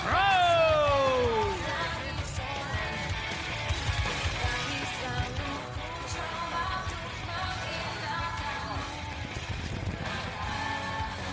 kami saling mencoba untuk mengingatkan